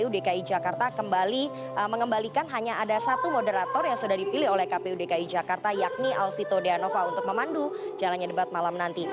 kpu dki jakarta kembali mengembalikan hanya ada satu moderator yang sudah dipilih oleh kpu dki jakarta yakni alvito deanova untuk memandu jalannya debat malam nanti